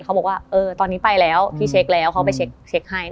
เขาบอกว่าเออตอนนี้ไปแล้วพี่เช็คแล้วเขาไปเช็คให้